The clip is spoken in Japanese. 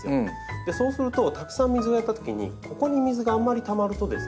そうするとたくさん水をやったときにここに水があんまりたまるとですね